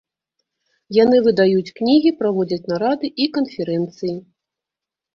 Яны выдаюць кнігі, праводзяць нарады і канферэнцыі.